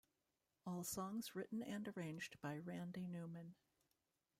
All songs written and arranged by Randy Newman.